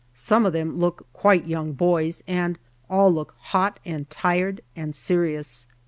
Some of them look quite young boys, and all look hot and tired and serious.